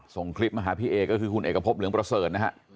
ส่งคลิปมาหาพี่เอก็คือคุณเอกพบเหลืองประเสริฐนะฮะ